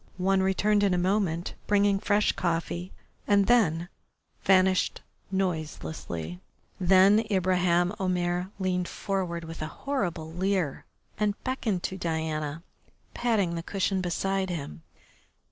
One returned in a moment, bringing fresh coffee, and then vanished noiselessly. Then Ibraheim Omair leaned forward with a horrible leer and beckoned to Diana, patting the cushions beside him.